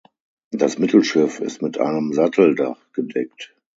Das Mittelschiff ist mit einem Satteldach gedeckt.